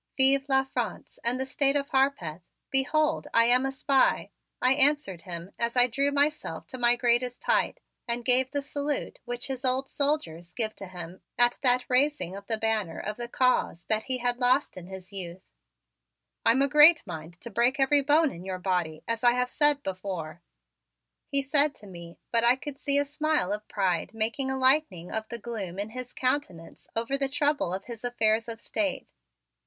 "Vive la France and the State of Harpeth! Behold, I am a spy!" I answered him as I drew myself to my greatest height and gave the salute which his old soldiers give to him at that raising of the banner of the Cause that he had lost in his youth. "You young daredevil, you, I'm a great mind to break every bone in your body, as I have said before," he said to me, but I could see a smile of pride making a lightning of the gloom in his countenance over the trouble of his affairs of state.